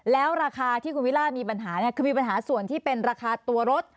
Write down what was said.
แล้วราคาที่คุณวิล่ามีปัญหาเนี่ยคือมีปัญหาส่วนที่เป็นราคาตัวรถ